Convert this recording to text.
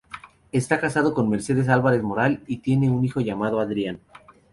Esta casado con Mercedes Álvarez Moral y tiene un hijo llamado Adrián.